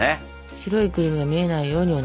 白いクリームが見えないようにお願いします。